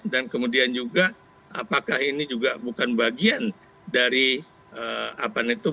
dan kemudian juga apakah ini juga bukan bagian dari apaan itu